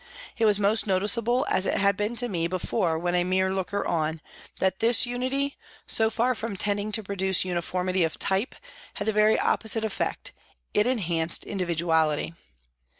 It was most noticeable, as it had been to me before when a mere looker on, that this unity, so far from tending to produce uniformity of type, had the very opposite effect, it enhanced individuality.